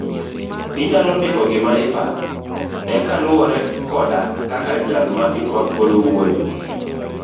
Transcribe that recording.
Inyalo ndiko gima iparo e kaluowore koda kaka jal ma itwak godo wuoyo.